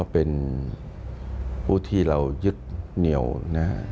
เป็นผู้ที่เรายึดเหนียวนะครับ